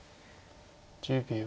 １０秒。